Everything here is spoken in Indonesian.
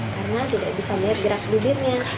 karena tidak bisa melihat gerak bibirnya